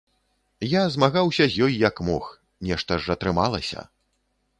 Я змагаўся з ёй як мог, нешта ж атрымалася.